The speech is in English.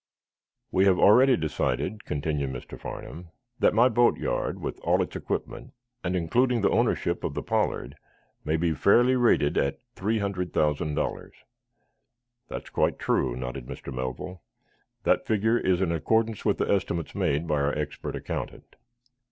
"We have already decided," continued Mr. Farnum, "that my boat yard, with all its equipment, and including the ownership of the 'Pollard,' may be fairly rated at three hundred thousand dollars." "That is quite true," nodded Mr. Melville. "That figure is in accordance with the estimates made by our expert accountant."